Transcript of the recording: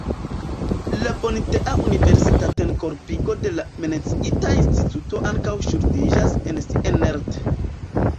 La bonidea universitatenkorpigo de la menciita instituto ankaŭ ŝuldiĝas al Sienerth.